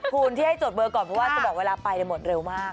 คุณที่ให้จดเบอร์ก่อนเพราะว่าจะบอกเวลาไปหมดเร็วมาก